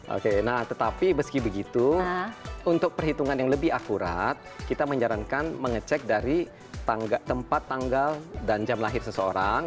oke nah tetapi meski begitu untuk perhitungan yang lebih akurat kita menyarankan mengecek dari tempat tanggal dan jam lahir seseorang